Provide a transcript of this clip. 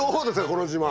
この自慢。